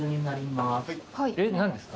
えっ何ですか？